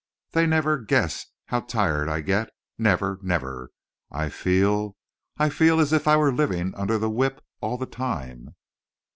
"They never guess how tired I get never never! I feel I feel as if I were living under the whip all the time."